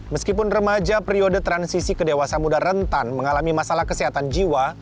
meskipun remaja periode transisi ke dewasa muda rentan mengalami masalah kesehatan jiwa